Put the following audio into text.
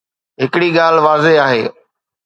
هڪڙي ڳالهه واضح آهي.